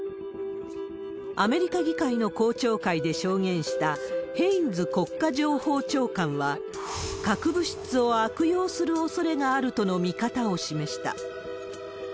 アメリカ議会の公聴会で証言したヘインズ国家情報長官は、核物質を悪用するおそれがあるとの見方を示した。